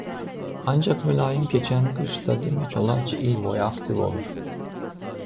Ancaq mülayim keçən qışda demək olar ki il boyu aktiv olur.